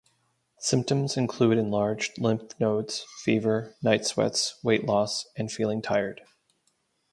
Symptoms include enlarged lymph nodes, fever, night sweats, weight loss, and feeling tired.